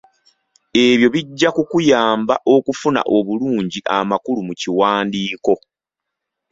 Ebyo bijja kukuyamba okufuna obulungi amakulu mu kiwandiiko.